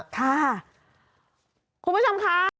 ค่ะคุณผู้ชมค่ะ